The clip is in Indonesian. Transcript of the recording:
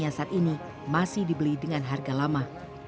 gudang nyiasat ini masih dibeli dengan harga lama